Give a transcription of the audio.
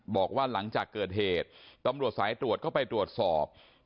บอกว่าหลังจากเกิดเหตุตำรวจสายตรวจเข้าไปตรวจสอบ